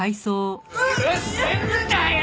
うるせえんだよ！